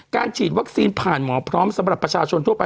ฉีดวัคซีนผ่านหมอพร้อมสำหรับประชาชนทั่วไป